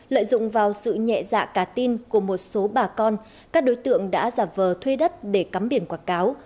lợi dụng vào sự nhẹ dạ cả tin của một số bà con các đối tượng đã giả vờ thuê đất để cắm biển quảng cáo